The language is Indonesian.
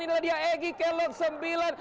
ini adalah dia egy kelok sembilan